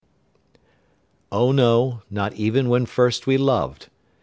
s. OH, NO NOT EVEN WHEN FIRST WE LOVED.